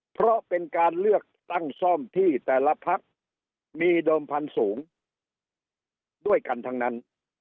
เพราะเป็นการเลือกตั้งซ่อมที่แต่ละพักมีเดิมพันธุ์สูงด้วยกันทั้งนั้น